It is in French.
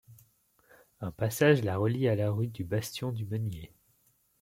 Un passage la relie à la rue du Bastion-du-Meunier,